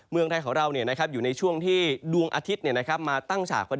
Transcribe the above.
เมืองไทยของเราอยู่ในช่วงที่ดวงอาทิตย์มาตั้งฉากพอดี